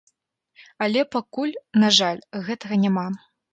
Але пакуль, на жаль, гэтага няма.